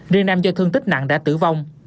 riêng nam do thương tích nặng đã tử vong